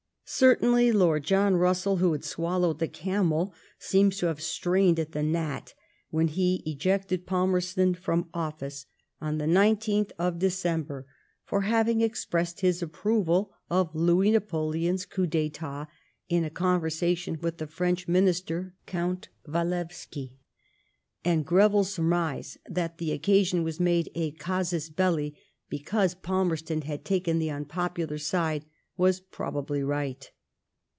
Certainly Lord John Russell, who had swallowed the camel, seems to have strained at a gnat, when he ejected Palmerston from office on the 19th of 140 LITB OF VISCOUNT PALMEBSTOtr. Deoember, for having expressed his approval of Louis Napoleon's coup ditat, in a conversation with the French Minister, Count Walewski ; and Greville's sur mise, that the occasion was made a casus belli because Palmerston had taken the unpopular side, was probably right.